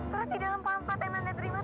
surat di dalam pamflet yang nanda terima